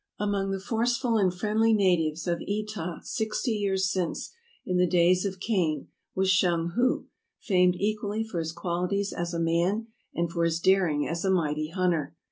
Among the forceful and friendly natives of Etah sixty years since, in the days of Kane, was Shung hu, famed equally for his qualities as a man and for his daring as a mighty hunter.